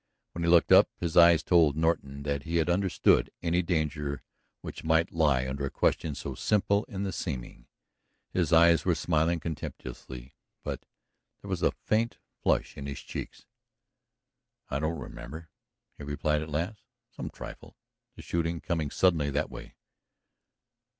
When he looked up, his eyes told Norton that he had understood any danger which might lie under a question so simple in the seeming. His eyes were smiling contemptuously, but there was a faint flush in his cheeks. "I don't remember," he replied at last. "Some trifle. The shooting, coming suddenly that way